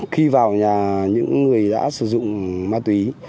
khi vào nhà những người đã sử dụng ma túy